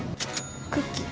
クッキー。